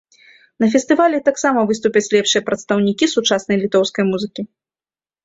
На фестывалі таксама выступяць лепшыя прадстаўнікі сучаснай літоўскай музыкі.